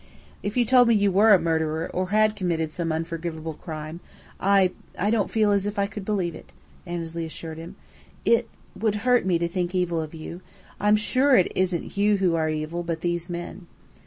"If you told me you were a murderer, or had committed some unforgivable crime, I I don't feel as if I could believe it," Annesley assured him. "It would hurt me to think evil of you. I'm sure it isn't you who are evil, but these men."